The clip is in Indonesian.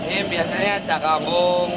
ini biasanya cah kabung